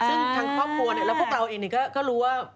ซึ่งทั้งครอบครัวแล้วพวกเราเองก็รู้ว่า